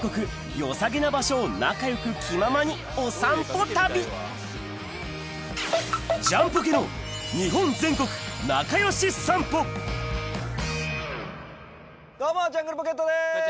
良さげな場所を仲良く気ままにお散歩旅どうもジャングルポケットです！